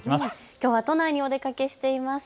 きょうは都内にお出かけしています。